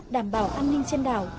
đảm bảo an ninh trên đảo